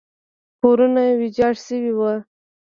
کورونه ویجاړ شوي وو.